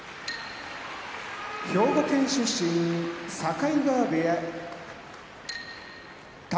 兵庫県出身境川部屋宝